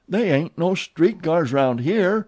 "They ain't no street cars 'round here.